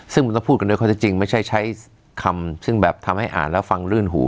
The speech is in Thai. ซึ่งต้องพูดกันด้วยความที่จริงไม่ใช่ใช้คำที่ทำให้อ่านแล้วฟังรื่นหู